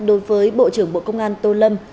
đối với bộ trưởng bộ công an tô lâm